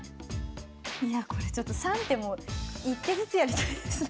いやこれちょっと３手も１手ずつやりたいですね。